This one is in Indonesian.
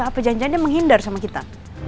apa perjanjiannya menghindar sama kita